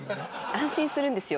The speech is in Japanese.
安心するんですよ。